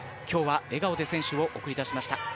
今日は笑顔で選手を送り出しました。